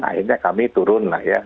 akhirnya kami turun lah ya